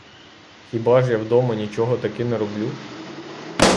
Хіба ж я вдома нічого таки не роблю?